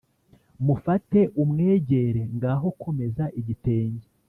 mufate umwegere, ngaho komeza igitenge